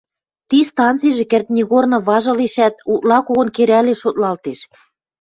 Ти станцижӹ кӹртнигорны важ ылешӓт, утла когон керӓлеш шотлалтеш.